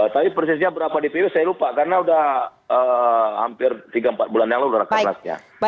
tapi persisnya berapa dpw saya lupa karena sudah hampir tiga empat bulan yang lalu rakernasnya